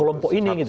kelompok ini gitu